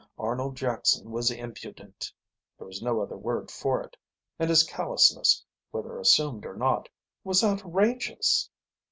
Arnold Jackson was impudent there was no other word for it and his callousness, whether assumed or not, was outrageous.